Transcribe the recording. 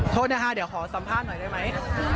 โทษนะคะเดี๋ยวขอสัมภาษณ์หน่อยได้ไหม